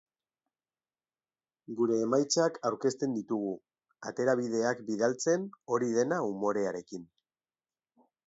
Gure emaitzak aurkezten ditugu, aterabideak bilatzen, hori dena umorearekin.